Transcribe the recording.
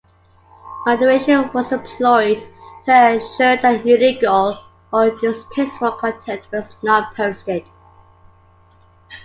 Moderation was employed to ensure that illegal or distasteful content was not posted.